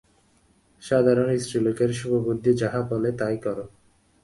সাধারণ স্ত্রীলোকের শুভবুদ্ধি যাহা বলে, তাই করো।